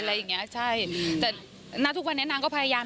อะไรอย่างเงี้ยใช่แต่ณทุกวันนี้นางก็พยายาม